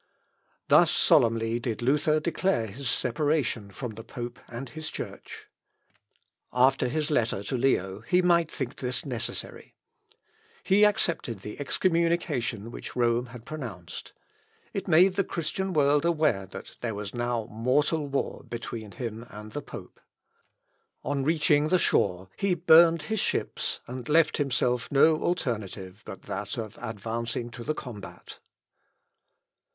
Thus solemnly did Luther declare his separation from the pope and his church. After his letter to Leo he might think this necessary. He accepted the excommunication which Rome had pronounced. It made the Christian world aware that there was now mortal war between him and the pope. On reaching the shore, he burnt his ships, and left himself no alternative but that of advancing to the combat.